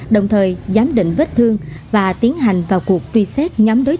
đồng thời giám định vết thương và tiến hành vào cuộc truy xét